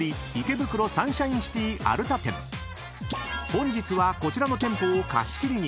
［本日はこちらの店舗を貸し切りに］